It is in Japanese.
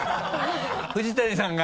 藤谷さんが？